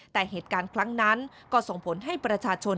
แต่เหตุการณ์ครั้งนั้นก็ส่งผลให้ประชาชน